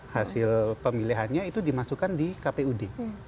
hasil pemilihannya itu dimasukkan di kpud